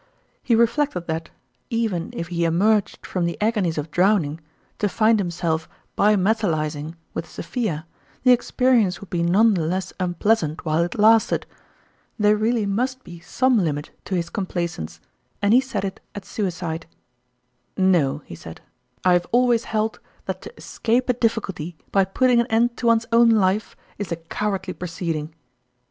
" He reflected that, even if he emerged from the agonies of drowning, to find himself bi metalizing with Sophia, the experience would be none the less unpleasant w r hile it lasted. There really must be some limit to his com plaisance, and he set it at suicide. " No," he said ;" I have always held that to escape a difficulty by putting an end to one's own life, is a cowardly proceeding."